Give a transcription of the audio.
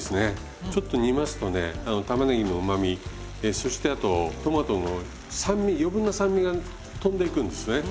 ちょっと煮ますとね玉ねぎのうまみそしてあとトマトの酸味余分な酸味がとんでいくんですね。